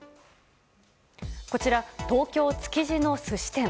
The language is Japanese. こちら、東京・築地の寿司店。